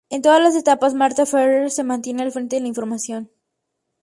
En todas las etapas, Marta Ferrer se mantiene al frente de la información.